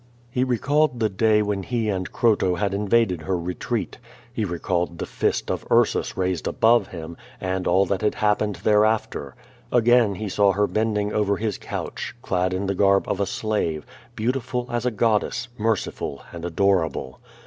He recalled the day when he and Croto had invaded her retreat. He recalled the fist of Ursus raised above him, and all that had happened thereafter. Again he saw her bending over his couch, clad in the garb of a slave, beautiful as a god dess, merciful and adorable.